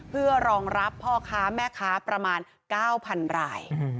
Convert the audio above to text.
เพื่อรองรับพ่อค้าแม่ค้าประมาณ๙๐๐ราย